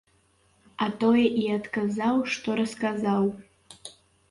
А тое і адказаў, што расказаў.